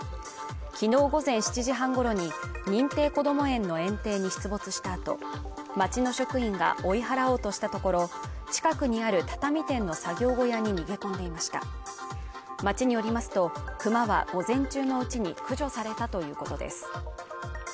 昨日午前７時半ごろに認定こども園の園庭に出没したあと町の職員が追い払おうとしたところ近くにある畳店の作業小屋に逃げ込んでいました町によりますとクマは午前中のうちに駆除されたということです